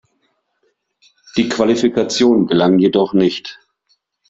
Die Qualifikation gelang jedoch nicht.